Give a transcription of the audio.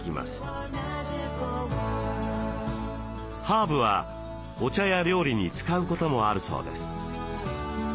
ハーブはお茶や料理に使うこともあるそうです。